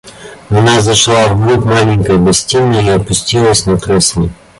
Она зашла в глубь маленькой гостиной и опустилась на кресло.